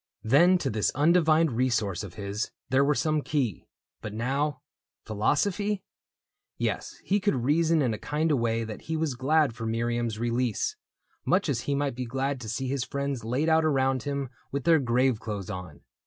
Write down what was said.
Then to this undivined resource of his There were some key ; but now ... Philo sophy ? Yes, he could reason in a kind of way That he was glad for Miriam's release — Much as he might be glad to see his friends Laid out around him with their grave clothes on.